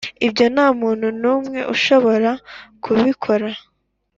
ibyo ntamuntu numwe ushobora kubiukora